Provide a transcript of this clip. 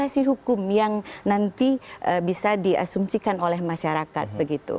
dispensasi hukum yang nanti bisa diasumsikan oleh masyarakat begitu